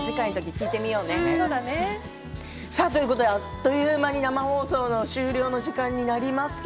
あっという間に生放送の終了間近になります